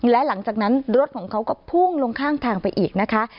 และหลังจากนั้นรถของเขาก็พุ่งลงข้างทางไปอีกนะคะ